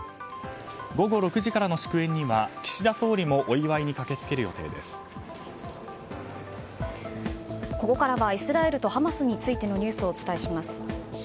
午後６時からの祝宴には岸田総理もここからはイスラエルとハマスについてのニュースをお伝えします。